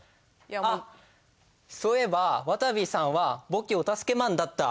あっそういえばわたびさんは簿記お助けマンだった。